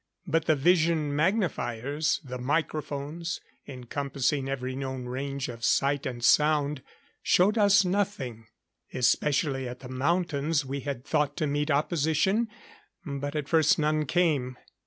But the vision magnifiers, the microphones encompassing every known range of sight and sound showed us nothing. Especially at the mountains we had thought to meet opposition. But at first none came.